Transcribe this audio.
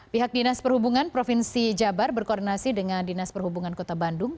pihak dinas perhubungan provinsi jabar berkoordinasi dengan dinas perhubungan kota bandung